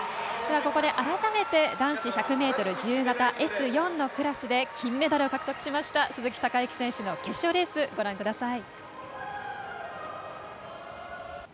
ここで改めて男子１００ｍ自由形Ｓ４のクラスで金メダルを獲得しました鈴木孝幸選手の決勝レースをご覧ください。